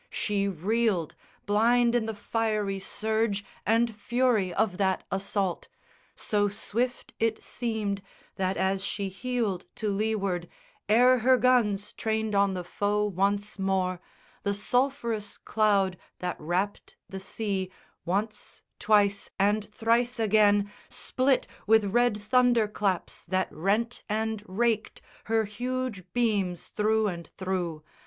She reeled, blind in the fiery surge And fury of that assault. So swift it seemed That as she heeled to leeward, ere her guns Trained on the foe once more, the sulphurous cloud That wrapped the sea, once, twice, and thrice again Split with red thunder claps that rent and raked Her huge beams through and through.